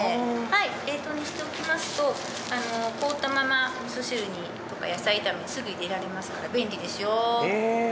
冷凍にしておきますと凍ったままおみそ汁とか野菜炒めにすぐ入れられますから便利ですよ。